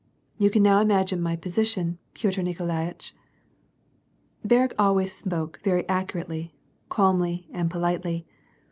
You can now imagine my position, Piotr Niko laitch." Berg always spoke very accurately, calmly, and politely.